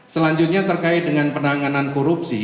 selanjutnya terkait dengan penanganan korupsi